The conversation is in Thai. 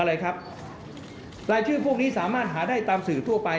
อะไรครับรายชื่อพวกนี้สามารถหาได้ตามสื่อทั่วไป